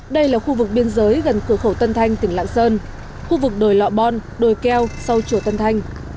đây là khu vực biên giới gần cửa khẩu tân thanh tỉnh lạng sơn khu vực đồi lọ bon đồi keo sau chùa tân thanh